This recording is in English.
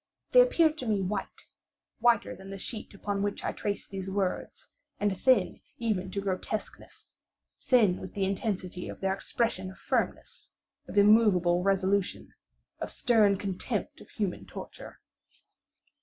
They appeared to me white—whiter than the sheet upon which I trace these words—and thin even to grotesqueness; thin with the intensity of their expression of firmness—of immoveable resolution—of stern contempt of human torture.